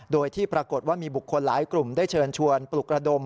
โดยที่ปรากฏว่ามีบุคคลหลายกลุ่มได้เชิญชวนปลุกระดม